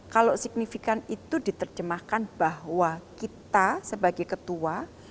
kalau signifikan itu diterjemahkan bahwa kita sebagai ketua